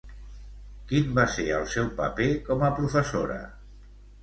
Quin va ser el seu paper com a professora?